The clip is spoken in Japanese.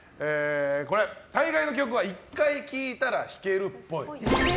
大概の曲は１回聴いたら弾けるっぽい。